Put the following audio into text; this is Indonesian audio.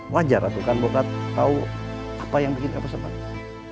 wajar kan bokap tau apa yang bikin apa seperti